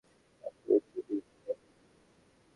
ফ্যাক্টরির চিমনি দিয়ে গ্যাসটা ছেড়ে দিচ্ছি।